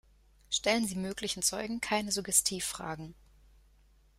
Stellen Sie möglichen Zeugen keine Suggestivfragen.